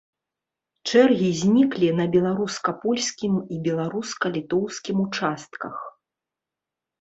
Чэргі зніклі на беларуска-польскім і беларуска-літоўскім участках.